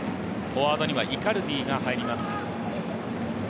フォワードにはイカルディが入ります。